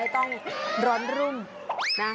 ไม่ต้องร้อนรุ่น